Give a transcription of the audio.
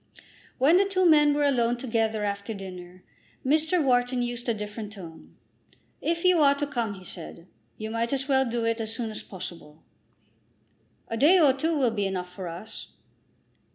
When the two men were alone together after dinner, Mr. Wharton used a different tone. "If you are to come," he said, "you might as well do it as soon as possible." "A day or two will be enough for us."